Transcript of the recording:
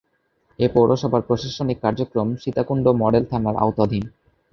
এ পৌরসভার প্রশাসনিক কার্যক্রম সীতাকুণ্ড মডেল থানার আওতাধীন।